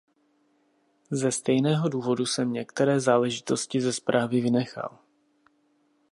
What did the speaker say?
Ze stejného důvodu jsem některé záležitosti ze zprávy vynechal.